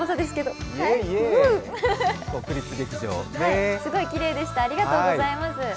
すごいきれいでした、ありがとうございます。